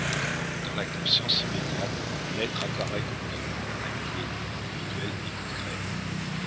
Dans la conscience immédiate, l'être apparaît comme vivant, animé, individuel et concret.